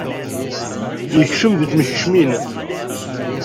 Yekcem deg temkecmin.